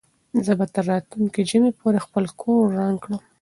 زه به تر راتلونکي ژمي پورې خپل کور رنګ کړم.